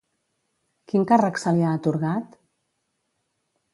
Quin càrrec se li ha atorgat?